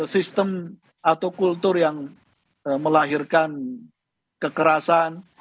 sistem atau kultur yang melahirkan kekerasan